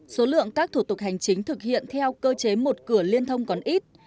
số lượng các thủ tục hành chính thực hiện theo cơ chế một cửa liên thông còn ít